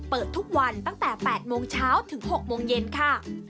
เปิดทุกวันตั้งแต่๘โมงเช้าถึง๖โมงเย็นค่ะ